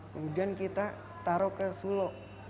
kemudian kita taruh ke solo